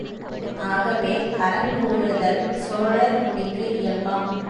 ஆகவே அறங் கூறுதல் சோழர் குடிக்கு இயல்பாம்.